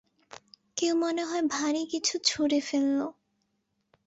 কেউ মনে হয় ভারি কিছু ছুঁড়ে ফেলল।